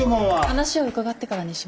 話を伺ってからにします。